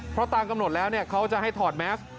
เพราะตามกำหนดแล้วเขาจะให้ถอดแมส